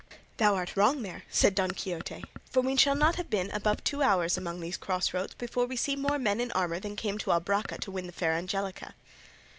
"Thou art wrong there," said Don Quixote, "for we shall not have been above two hours among these cross roads before we see more men in armour than came to Albraca to win the fair Angelica."